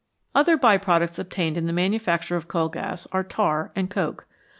Other by products obtained in the manufacture of coal gas are tar and coke.